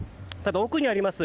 奥にあります